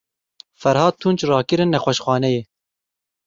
Ferhat Tunç rakirin nexweşxaneyê.